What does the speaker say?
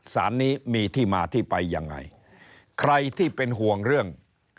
สารนี้มีที่มาที่ไปยังไงใครที่เป็นห่วงเรื่อง